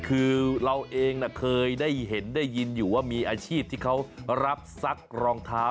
คือเราเองเคยได้เห็นได้ยินอยู่ว่ามีอาชีพที่เขารับซักรองเท้า